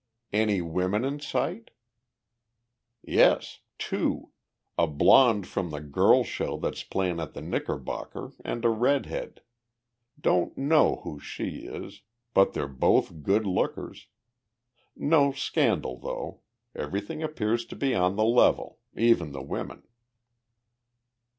"Any women in sight?" "Yes two. A blond from the girl show that's playin' at the Knickerbocker and a red head. Don't know who she is but they're both good lookers. No scandal, though. Everything appears to be on the level even the women."